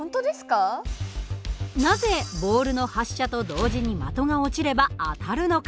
なぜボールの発射と同時に的が落ちれば当たるのか？